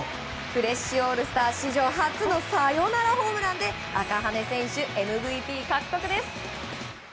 フレッシュオールスター史上初のサヨナラホームランで赤羽選手ＭＶＰ獲得です。